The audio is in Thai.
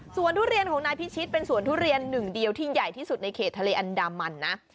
ส่วนทุเรียนของนายพิชิตเป็นสวนทุเรียนหนึ่งเดียวที่ใหญ่ที่สุดในเขตทะเลอันดามันนะ